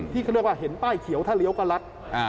ที่เขาเรียกว่าเห็นป้ายเขียวถ้าเลี้ยวก็รัด